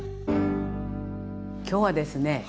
今日はですね